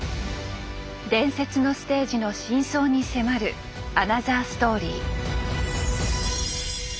伝説のステージの真相に迫るアナザーストーリー。